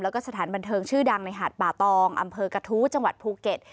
แล้วก็สถานบันเทิงชื่อดังในหาดป่าตองอำเภอกระทู้จังหวัดภูเก็ต